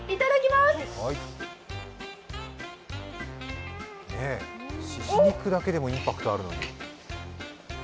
しし肉だけでもインパクトあるのに。